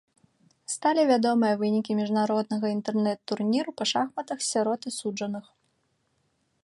Сталі вядомыя вынікі міжнароднага інтэрнэт-турніру па шахматах сярод асуджаных.